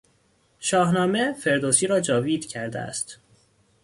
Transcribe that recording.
شاهنامه، فردوسی را جاوید کرده است.